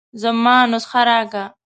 زما نسخه راکه.